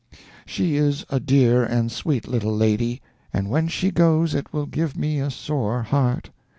She is a dear and sweet little lady, and when she goes it will give me a sore heart.